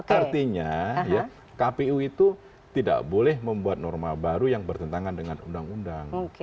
artinya kpu itu tidak boleh membuat norma baru yang bertentangan dengan undang undang